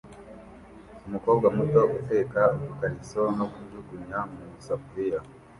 Umukobwa muto uteka udukariso no kujugunya mu isafuriya